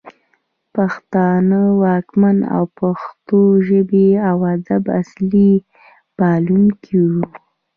پښتانه واکمن د پښتو ژبې او ادب اصلي پالونکي وو